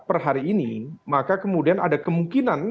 per hari ini maka kemudian ada kemungkinan